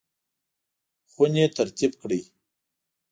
خونې ترتیب کړئ